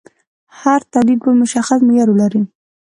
هر تولید باید مشخص معیار ولري.